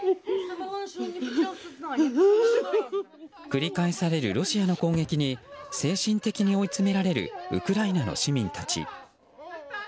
繰り返されるロシアの攻撃に精神的に追い詰められるウクライナの市民たち。